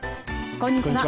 こんにちは。